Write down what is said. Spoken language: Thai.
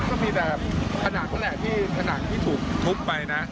ก็มีแต่ขนาดที่ถูกทุบไป